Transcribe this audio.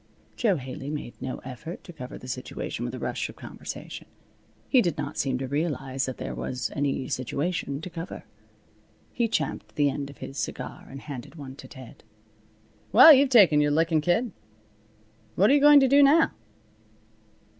Jo Haley made no effort to cover the situation with a rush of conversation. He did not seem to realize that there was any situation to cover. He champed the end of his cigar and handed one to Ted. "Well, you've taken your lickin', kid. What you going to do now?"